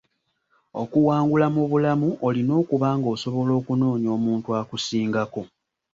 Okuwangula mu bulamu olina okuba nga osobola okunoonya omuntu akusingako.